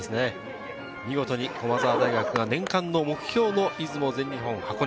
見事に駒澤大学が年間の目標、出雲、全日本、箱根。